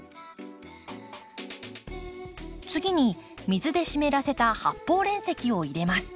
次に水で湿らせた発泡煉石を入れます。